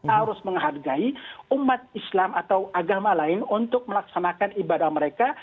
harus menghargai umat islam atau agama lain untuk melaksanakan ibadah mereka